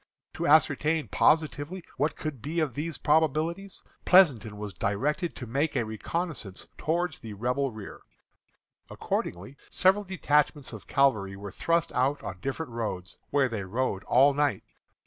To ascertain positively what could be of these probabilities, Pleasonton was directed to make a reconnoissance toward the Rebel rear. Accordingly, several detachments of cavalry were thrust out on different roads, where they rode all night.